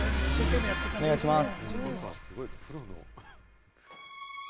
お願いします。